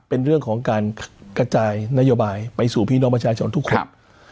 เป็นเรื่องของการกระจายนโยบายไปสู่พี่น้องประชาชนทุกคน